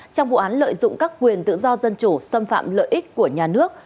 trong vụ án lợi dụng các quyền tự do dân chủ xâm phạm lợi ích của nhà nước